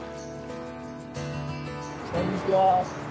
こんにちは。